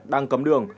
đang cấm đường